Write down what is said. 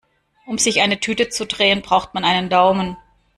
Um sich eine Tüte zu drehen, braucht man einen Daumen.